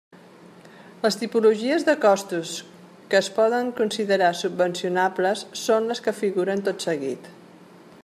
Les tipologies de costos que es poden considerar subvencionables són les que figuren tot seguit.